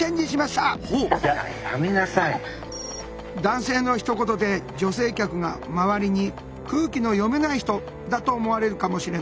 男性のひと言で女性客が周りに空気の読めない人だと思われるかもしれない。